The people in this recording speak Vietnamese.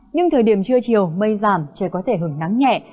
nhưng thời điểm trưa chiều mây giảm trời có thể hứng nắng nhẹ